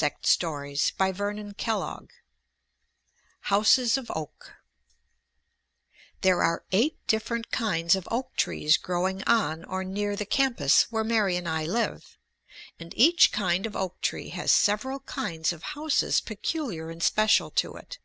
[Illustration: HOUSES OF OAK] HOUSES OF OAK There are eight different kinds of oak trees growing on or near the campus where Mary and I live. And each kind of oak tree has several kinds of houses peculiar and special to it.